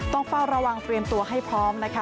ต้องเฝ้าระวังเตรียมตัวให้พร้อมนะคะ